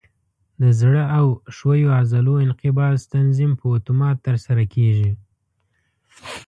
د زړه او ښویو عضلو انقباض تنظیم په اتومات ترسره کېږي.